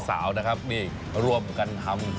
สาวนะครับรวมกันทำ